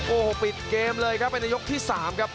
โอ้โหปิดเกมเลยครับไปในยกที่๓ครับ